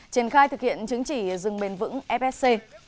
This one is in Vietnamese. triển khai thực hiện chứng chỉ rừng bền vững fsc